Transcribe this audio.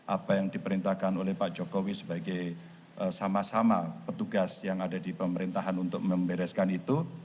apa yang diperintahkan oleh pak jokowi sebagai sama sama petugas yang ada di pemerintahan untuk membereskan itu